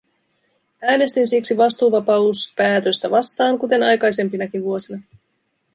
Äänestin siksi vastuuvapauspäätöstä vastaan, kuten aikaisempinakin vuosina.